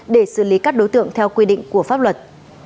để xử lý các đối tượng theo quy định của pháp luật